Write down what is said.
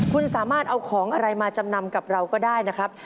คุณสามารถเอาของอะไรมาจำนำกับเราก็ได้นะครับ